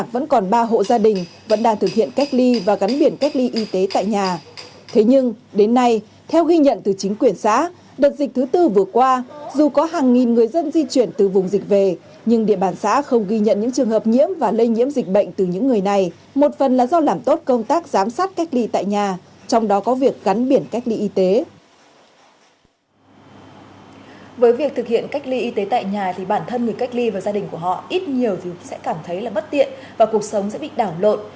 với việc thực hiện cách ly y tế tại nhà thì bản thân người cách ly và gia đình của họ ít nhiều thì cũng sẽ cảm thấy là bất tiện và cuộc sống sẽ bị đảo lộn